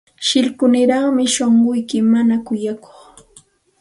Shillkuniraqmi shunquyki, mana kuyakuq.